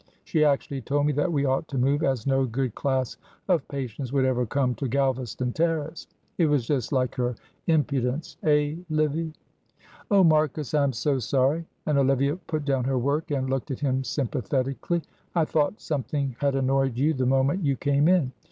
She actually told me that we ought to move, as no good class of patients would ever come to Galvaston Terrace. It was just like her impudence eh, Livy?" "Oh, Marcus, I am so sorry," and Olivia put down her work and looked at him sympathetically. "I thought something had annoyed you the moment you came in.